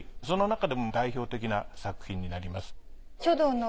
その中でも代表的な作品になります。